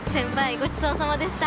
ごちそうさまでした。